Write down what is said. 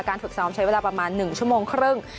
ฝึกซ้อมใช้เวลาประมาณ๑ชั่วโมงครึ่ง